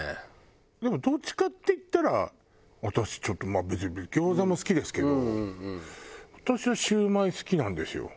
でもどっちかっていったら私ちょっとまあ別に餃子も好きですけど私はシュウマイ好きなんですよ。